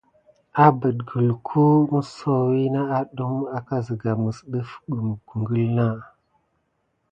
Abete kulku misohohi na adum à siga mis def kum kulu naà.